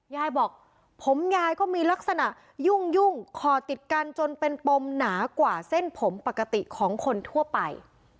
ยายบอกผมยายก็มีลักษณะยุ่งคอติดกันจนเป็นปมหนากว่าเส้นผมปกติของคนทั่วไป